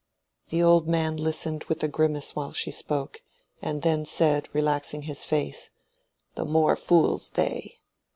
The old man listened with a grimace while she spoke, and then said, relaxing his face, "The more fools they.